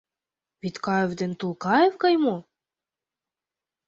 — Вӱдкаев ден Тулкаев гай мо?